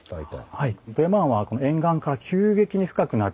はい。